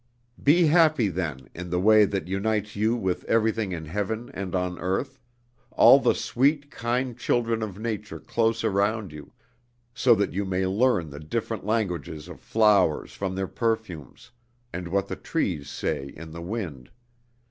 "Be happy then, in the way that unites you with everything in heaven and on earth, all the sweet, kind children of Nature close around you, so that you may learn the different languages of flowers from their perfumes, and what the trees say in the wind.